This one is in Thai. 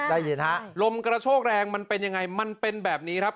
ได้ยินฮะลมกระโชกแรงมันเป็นยังไงมันเป็นแบบนี้ครับ